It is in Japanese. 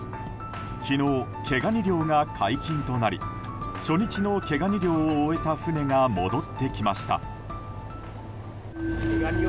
昨日、毛ガニ漁が解禁となり初日の毛ガニ漁を終えた船が戻ってきました。